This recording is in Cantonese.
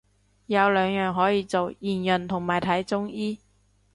有兩樣可以做，驗孕同埋睇中醫